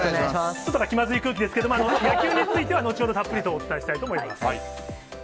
ちょっと気まずい空気ですけれども、野球については後ほど、たっぷりとお伝えしたいと思います。